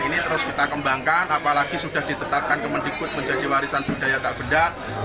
ini terus kita kembangkan apalagi sudah ditetapkan kemendikut menjadi warisan budaya tak benda